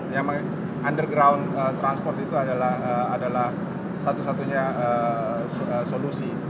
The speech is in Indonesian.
yang underground transport itu adalah satu satunya solusi